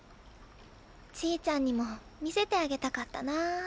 ちぃちゃんにも見せてあげたかったなあ。